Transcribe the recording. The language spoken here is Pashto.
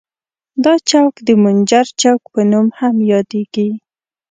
دا چوک د منجر چوک په نوم هم یادیږي.